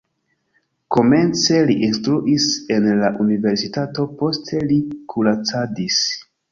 Komence li instruis en la universitato, poste li kuracadis.